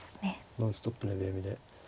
ノンストップの秒読みで。